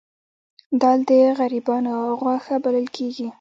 دال د غریبانو غوښه بلل کیږي